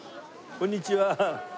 こんにちは。